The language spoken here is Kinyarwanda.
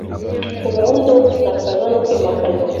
ngo gahunda yo gusakaza no kwimakaza